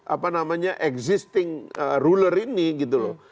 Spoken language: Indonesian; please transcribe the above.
apa namanya existing ruler ini gitu loh